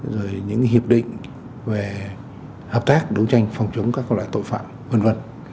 rồi những hiệp định về hợp tác đấu tranh phòng chống các loại tội phạm v v